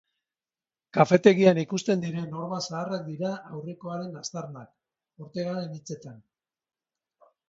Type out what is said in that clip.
Kafetegian ikusten diren horma zaharrak dira aurrekoaren aztarnak, Ortegaren hitzetan.